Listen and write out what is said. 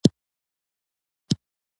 کندهاریان په ژمي کي لاندی کوي.